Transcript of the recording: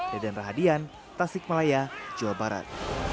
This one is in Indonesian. deden rahadian tasik malaya jawa barat